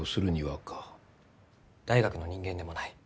大学の人間でもない。